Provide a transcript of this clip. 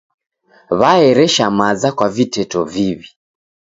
W'aeresha maza kwa viteto viw'i.